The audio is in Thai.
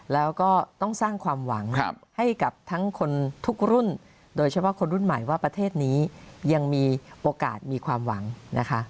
แล้วก็ต้องสร้างความหวังให้กับทั้งคนทุกรุ่นโดยเฉพาะคนรุ่นใหม่ว่าประเทศนี้ยังมีโอกาสมีความหวังนะคะ